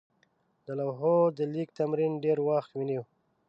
د لوحو د لیک تمرین ډېر وخت ونیوه.